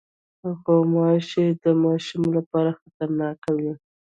غوماشې د ماشومو لپاره خطرناکې وي.